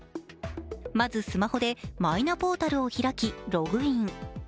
まずスマホでマイナポータルを開き、ログイン。